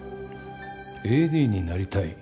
「ＡＤになりたい」